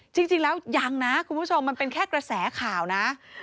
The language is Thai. จริงแล้วยังนะคุณผู้ชมมันเป็นแค่กระแสข่าวนะ